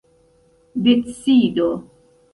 decido